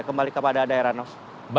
kembali kepada ada aranus